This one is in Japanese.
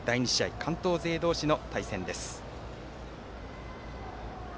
第２試合、関東勢同士の対戦です。